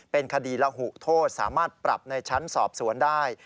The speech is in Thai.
เป็นคดีระหุโทษสามารถปรับในชั้นสอบสวนได้